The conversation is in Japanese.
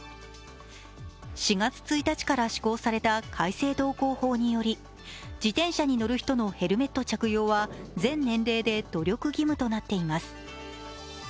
４月１日から施行された改正道交法により自転車に乗る人のヘルメット着用は全年齢で努力義務となっています。